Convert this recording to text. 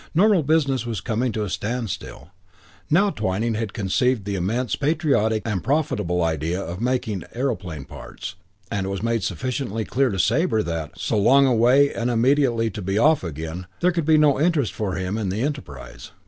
Normal business was coming to a standstill. Now Twyning had conceived the immense, patriotic, and profitable idea of making aeroplane parts, and it was made sufficiently clear to Sabre that, so long away and immediately to be off again, there could be no interest for him in the enterprise.